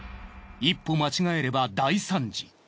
一歩間違えれば大惨事。